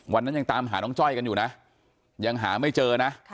ยังตามหาน้องจ้อยกันอยู่นะยังหาไม่เจอนะ